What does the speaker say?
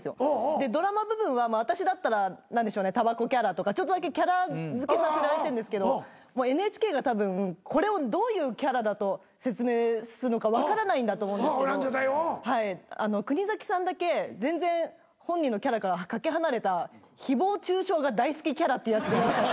でドラマ部分は私だったらたばこキャラとかちょっとだけキャラ付けさせられてんですけどＮＨＫがたぶんこれをどういうキャラだと説明するのか分からないんだと思うんですけど国崎さんだけ全然本人のキャラから懸け離れた誹謗中傷が大好きキャラってやつやらされて。